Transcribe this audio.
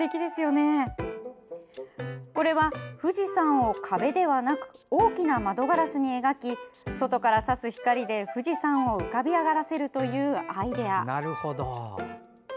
これは、富士山を壁ではなく大きな窓ガラスに描き外から差す光で富士山を浮かび上がらせるというアイデア。